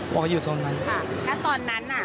เพราะว่าอยู่โซนนั้น